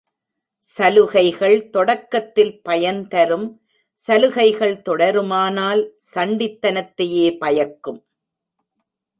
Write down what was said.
சலுகைகள் தொடக்கத்தில் பயன்தரும் சலுகைகள் தொடருமானால் சண்டித்தனத்தையே பயக்கும்.